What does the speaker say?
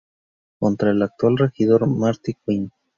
Contra el actual regidor Marty Quinn.